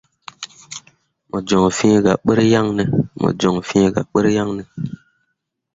Mo joŋ fĩĩ gah ɓur yaŋne ?